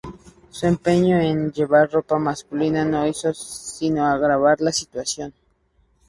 Su empeño en llevar ropa masculina no hizo sino agravar la situación.